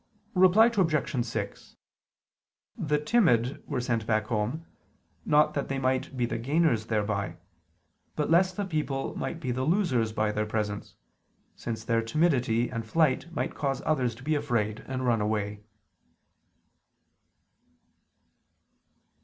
Reply Obj. 6: The timid were sent back home, not that they might be the gainers thereby; but lest the people might be the losers by their presence, since their timidity and flight might cause others to be afraid and run away.